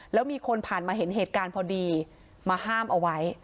แล้วมีคนผ่านมาเห็นเหตุการณ์พอดีมาห้ามเอาไว้